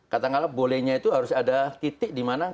katakanlah bolehnya itu harus ada titik di mana